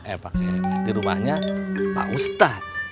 eh pak km di rumahnya pak ustadz